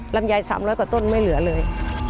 ลำไย๓๐๐กว่าต้นไม่เหลือเลย